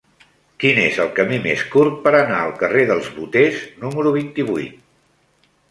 Quin és el camí més curt per anar al carrer dels Boters número vint-i-vuit?